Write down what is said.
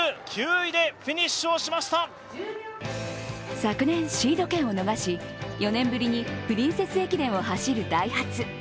昨年、シード権を逃して４年ぶりにプリンセス駅伝を走るダイハツ。